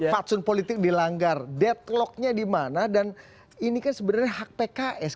fatsun politik dilanggar deadlocknya di mana dan ini kan sebenarnya hak pks